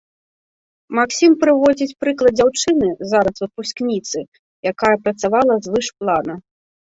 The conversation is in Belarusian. Максім прыводзіць прыклад дзяўчыны, зараз выпускніцы, якая працавала звыш плана.